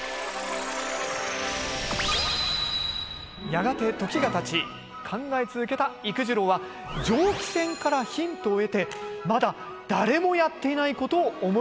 やがて時がたち考え続けた幾次郎は蒸気船からヒントを得てまだ誰もやっていないことを思いついたんです。